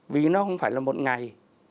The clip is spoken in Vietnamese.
vì nó không phải là một ngày